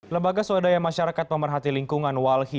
lembaga swadaya masyarakat pemerhati lingkungan walhi